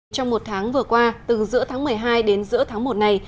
trong một tháng vừa qua từ giữa tháng một mươi hai đến giữa tháng một này